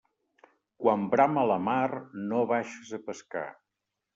Quan brama la mar, no baixes a pescar.